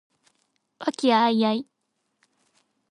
和気藹々